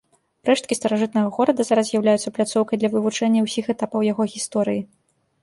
Рэшткі старажытнага горада зараз з'яўляюцца пляцоўкай для вывучэння ўсіх этапаў яго гісторыі.